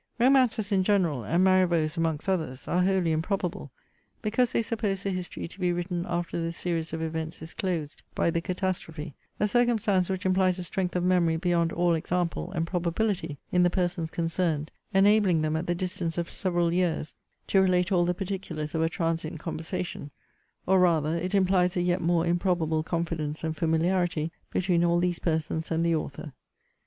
'Romances in general, and Marivaux's amongst others, are wholly improbable; because they suppose the History to be written after the series of events is closed by the catastrophe: a circumstance which implies a strength of memory beyond all example and probability in the persons concerned, enabling them, at the distance of several years, to relate all the particulars of a transient conversation: or rather, it implies a yet more improbable confidence and familiarity between all these persons and the author.